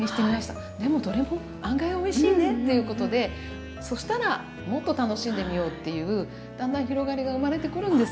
でもどれも案外おいしいねっていうことでそしたらもっと楽しんでみようっていうだんだん広がりが生まれてくるんですよ。